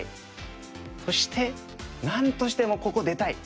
そしてなんとしてもここ出たい。